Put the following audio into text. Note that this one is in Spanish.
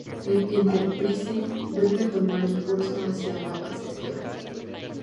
El "Enterprise" vuelve a tomar el curso hacia la base estelar.